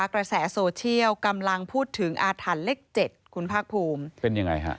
กระแสโซเชียลกำลังพูดถึงอาถรรพ์เลขเจ็ดคุณภาคภูมิเป็นยังไงฮะ